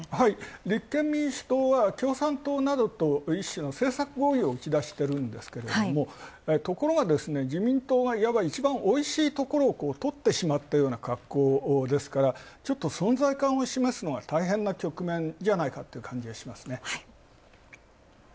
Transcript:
立憲民主党は共産党などと一種の政策合意を打ち出しているんですがところが自民党がいわばいちばんおいしいところを取ってしまったようなかっこうですから、ちょっと存在感を示すのが局面じゃないかという感じがしますね。